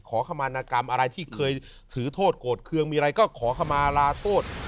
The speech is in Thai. ขมารณกรรมอะไรที่เคยถือโทษโกรธเครื่องมีอะไรก็ขอขมาลาโทษ